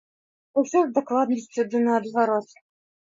Усё з дакладнасцю да наадварот.